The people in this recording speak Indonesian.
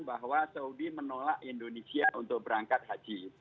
bahwa saudi menolak indonesia untuk berangkat haji